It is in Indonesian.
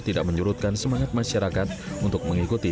tidak menyurutkan semangat masyarakat untuk mengikuti